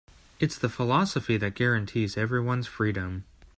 It's the philosophy that guarantees everyone's freedom.